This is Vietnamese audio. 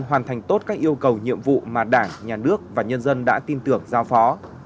hoàn thành tốt các yêu cầu nhiệm vụ mà đảng nhà nước và nhân dân đã tin tưởng giao phó